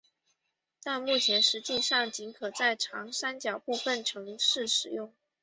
但目前实际上仅可在长三角部分城市使用。